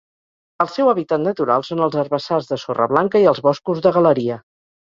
El seu hàbitat natural són els herbassars de sorra blanca i els boscos de galeria.